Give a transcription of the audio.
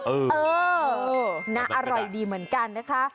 เออน่าอร่อยดีเหมือนกันนะคะ